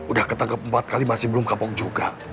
udah ketangkep empat kali masih belum kapok juga